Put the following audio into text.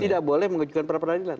tidak boleh mengajukan prapradilan